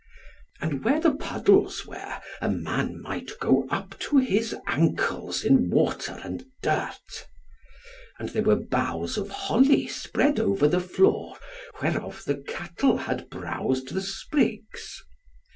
And where the puddles were a man might go up to his ankles in water and dirt. And there were boughs of holly spread over the floor whereof the cattle had browsed the sprigs.